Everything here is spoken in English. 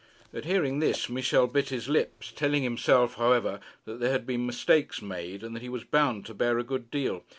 At hearing this Michel bit his lips, telling himself, however, that there had been mistakes made, and that he was bound to bear a good deal.